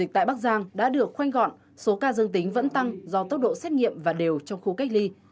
tại bắc giang đã được khoanh gọn số ca dương tính vẫn tăng do tốc độ xét nghiệm và đều trong khu cách ly